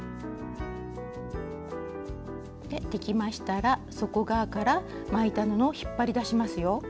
できましたら底側から巻いた布を引っ張り出しますよ。